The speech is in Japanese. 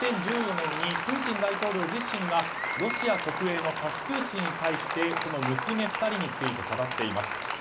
２０１４年にプーチン大統領自身がロシア国営のタス通信に対してこの娘２人について語っています。